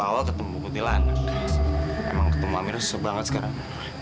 awal awal ketemu kuntilan emang ketemu amirah susah banget sekarang